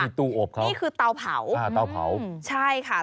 ที่ตู้อบเขาอเรนนี่คือเตาเผาใช่ค่ะ